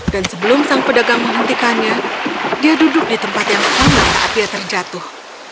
dan sebelum sang pedagang menghentikannya dia duduk di tempat yang sama saat dia terjatuh